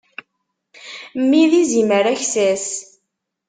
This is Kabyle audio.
Mmi d izimer aksas.